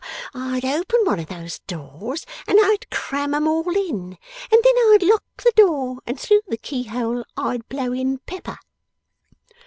I'd open one of those doors, and I'd cram 'em all in, and then I'd lock the door and through the keyhole I'd blow in pepper.